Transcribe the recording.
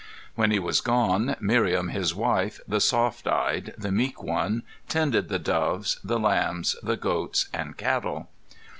While he was gone, Miriam his wife, the soft eyed, the meek one, tended the doves, the lambs, the goats and cattle.